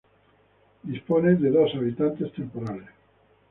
Dispone de dos habitantes temporales.